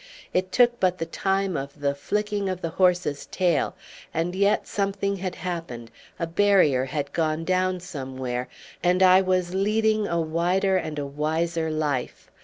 It took but the time of the flicking of the horse's tail, and yet something had happened, a barrier had gone down somewhere, and I was leading a wider and a wiser life.